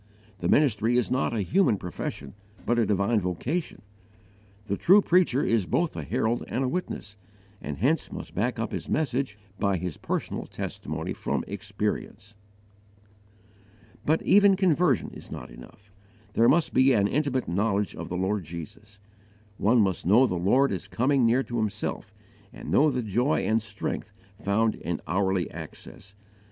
The ministry is not a human profession, but a divine vocation. The true preacher is both a herald and a witness, and hence must back up his message by his personal testimony from experience. But even conversion is not enough: there must be an intimate knowledge of the Lord Jesus. One must know the Lord as coming near to himself, and know the joy and strength found in hourly access.